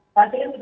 atau lebih lebih